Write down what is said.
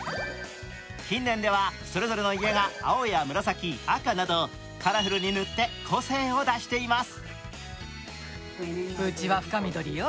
近年ではそれぞれの家が青や紫、赤などカラフルに塗って個性を出しています。